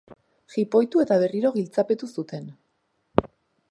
Jipoitu eta berriro giltzapetu zuten.